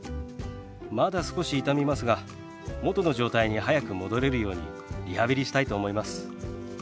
まだ少し痛みますが元の状態に早く戻れるようにリハビリしたいと思います。